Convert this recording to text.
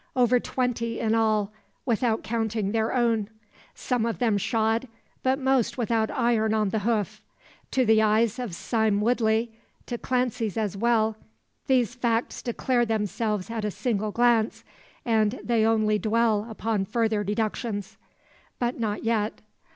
Over twenty in all, without counting their own; some of them shod, but most without iron on the hoof. To the eyes of Sime Woodley to Clancy's as well these facts declare themselves at a single glance; and they only dwell upon further deductions. But not yet.